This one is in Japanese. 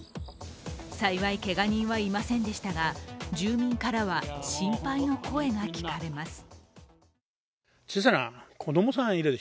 幸いけが人はいませんでしたが住民からは心配の声が聞かれます。